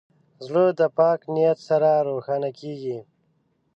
زړه د پاک نیت سره روښانه کېږي.